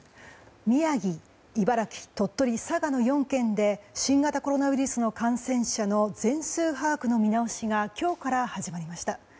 宮城、茨城、鳥取、佐賀の４県で新型コロナウイルスの感染者の全数把握を見直しが今日から始まりました。